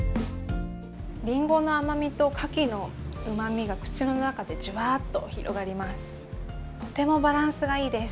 リンゴの甘みとカキのうまみが口の中でじゅわっと広がります。